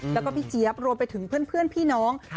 แล้วก็พี่เจี๊ยบรวมไปถึงเพื่อนพี่น้อง